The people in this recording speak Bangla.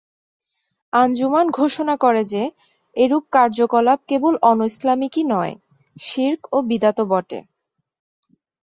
আঞ্জুমান ঘোষণা করে যে, এরূপ কার্যকলাপ কেবল অনৈসলামিকই নয়, শিরক ও বিদাতও বটে।